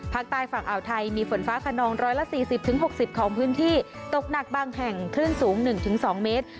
ภาคใต้ฝั่งอ่าวไทยมีฝนฟ้าขนอง๑๔๐๖๐ของพื้นที่ตกหนักบางแห่งคลื่นสูง๑๒เมตร